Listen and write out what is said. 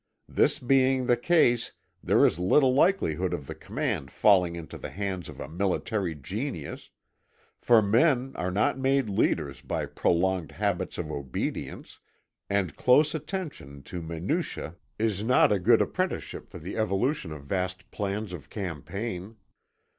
This being the case, there is little likelihood of the command falling into the hands of a military genius, for men are not made leaders by prolonged habits of obedience, and close attention to minutiæ is not a good apprenticeship for the evolution of vast plans of campaign.